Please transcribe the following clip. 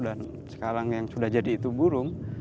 dan sekarang yang sudah jadi itu burung